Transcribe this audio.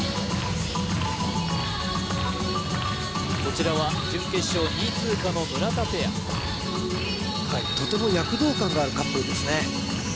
こちらは準決勝２位通過の村田ペアはいとても躍動感があるカップルですね